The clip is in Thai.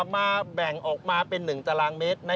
มาแบ่งออกมาเป็น๑ตารางเมตร